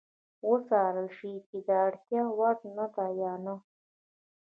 وڅارل شي چې د اړتیا وړ ده یا نه.